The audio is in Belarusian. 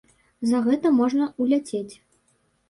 За гэта можа ўляцець.